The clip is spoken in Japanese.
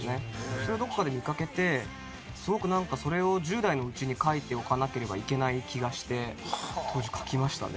それをどこかで見かけてすごくなんかそれを１０代のうちに書いておかなければいけない気がして当時書きましたね。